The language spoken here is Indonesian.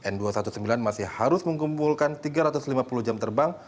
n dua ratus sembilan belas masih harus mengumpulkan tiga ratus lima puluh jam terbang